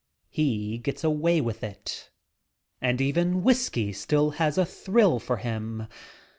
He gets away with it. And even whiskey still has a thrill for him.